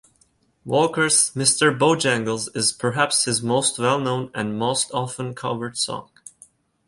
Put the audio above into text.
Walker's "Mr. Bojangles" is perhaps his most well-known and most-often covered song.